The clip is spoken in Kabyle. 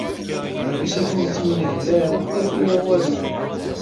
Zik nettemyehḍaṛ, ma d tura walu